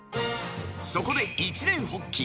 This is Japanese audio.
そこで一念発起。